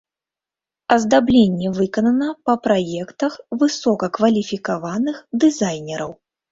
Аздабленне выканана па праектах высокакваліфікаваных дызайнераў.